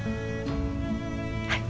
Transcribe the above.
はい。